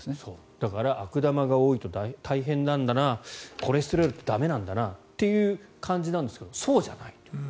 だから悪玉が多いと大変なんだなコレステロールって駄目なんだなという感じなんですけどそうじゃないと。